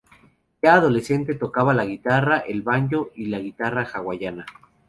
Ya adolescente tocaba la guitarra, el banjo y la guitarra hawaiana.